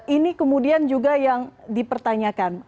ini kemudian juga yang dipertanyakan